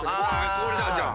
これだじゃあ。